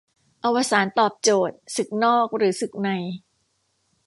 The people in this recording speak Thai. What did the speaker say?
อวสานตอบโจทย์ ศึกนอก หรือศึกใน